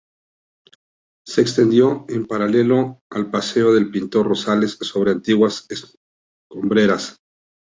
Se extendió en paralelo al paseo del Pintor Rosales, sobre antiguas escombreras.